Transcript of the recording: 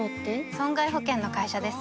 損害保険の会社です